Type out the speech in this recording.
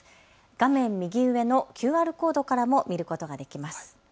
画面右上のＱＲコードからも見ることができます。